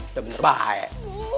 udah bener bener baik